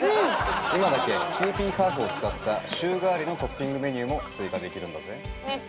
今だけキユーピーハーフを使った週替わりのトッピングメニューも追加できるんだぜねっ